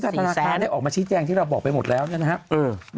ซึ่งธนาคารได้ออกมาชี้แจ้งที่เราบอกไปหมดแล้วนะครับ